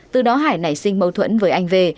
từ đó hải nảy sinh mâu thuẫn với anh v v h